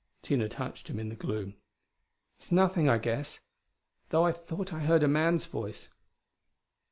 Tina touched him in the gloom. "It's nothing, I guess. Though I thought I heard a man's voice."